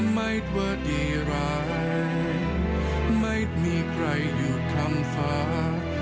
ไม่ว่าดีร้ายไม่มีใครอยู่คำสั่ง